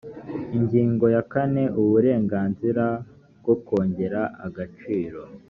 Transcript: ingingo ya kane uburenganzira bwo kongera agaciro